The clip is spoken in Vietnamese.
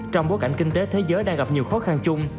trong bối cảnh kinh tế thế giới đang gặp nhiều khó khăn chung